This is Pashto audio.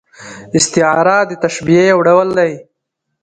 استعاره د تشبیه یو ډول دئ.